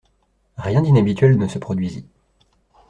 Rien d’inhabituel ne se produisit.